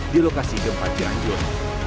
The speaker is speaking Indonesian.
di lokasi gempa cianjur